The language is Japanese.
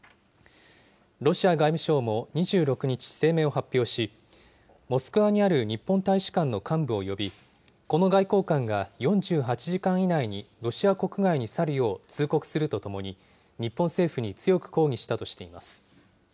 ロシア外務省も２６日、声明を発表し、モスクワにある日本大使館の幹部を呼び、この外交官が４８時間以内にロシア国外に去るよう通告するとともに、日本政府に強く抗議したとしています。